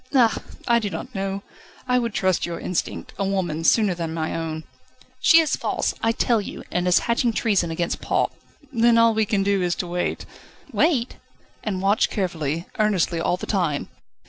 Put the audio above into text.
"Ah! I do not know. I would trust your instinct a woman's sooner than my own." "She is false, I tell you, and is hatching treason against Paul." "Then all we can do is to wait." "Wait?" "And watch carefully, earnestly, all the time.